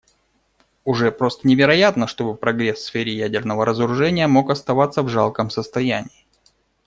Уже просто невероятно, чтобы прогресс в сфере ядерного разоружения мог оставаться в жалком состоянии.